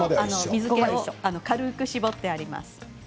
水けを軽く絞ってあります。